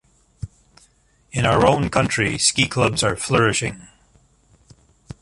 In our own country ski clubs are flourishing.